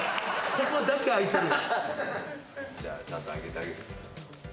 ここだけ開いてる。